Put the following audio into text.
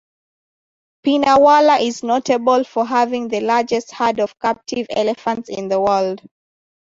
Pinnawala is notable for having the largest herd of captive elephants in the world.